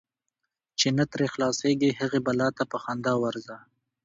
چی نه ترې خلاصیږې، هغی بلا ته په خندا ورځه .